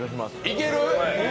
いける？